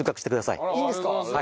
いいんですか？